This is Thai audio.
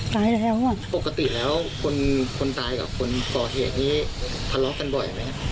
ตายแล้วน่ะปกติแล้วคนตายกับคนนี่ทะเลาะกันบ่อยมั้ย